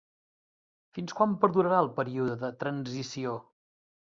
Fins quan perdurarà el període de transició?